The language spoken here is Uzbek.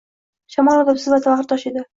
Shamol odobsiz va bag‘ritosh edi